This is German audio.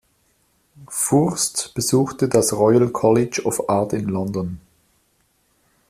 Furst besuchte das Royal College of Art in London.